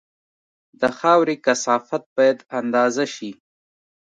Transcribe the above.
د خاورې کثافت باید اندازه شي